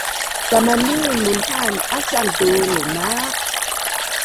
kamaniin munhaan asang tu lumaq